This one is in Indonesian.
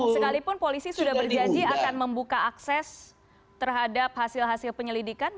sekalipun polisi sudah berjanji akan membuka akses terhadap hasil hasil penyelidikan